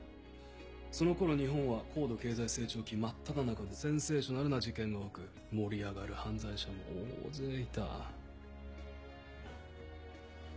そのころ日本は高度経済成長期真っただ中でセンセーショナルな事件が多く盛り上がる犯罪者も大勢いた。